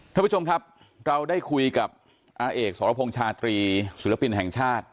ท่านผู้ชมครับเราได้คุยกับอาเอกสรพงษ์ชาตรีศิลปินแห่งชาติ